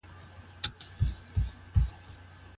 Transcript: د مجاهدينو نفقه له کوم ځای څخه ورکول کيږي؟